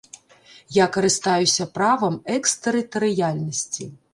Я карыстаюся правам экстэрытарыяльнасці.